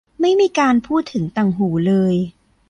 ไม่มีการพูดถึงต่างหูเลย